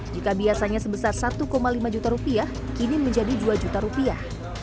jika biasanya sebesar rp satu lima juta kini menjadi rp dua juta